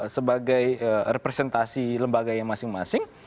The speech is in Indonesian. sebagai representasi lembaga yang masing masing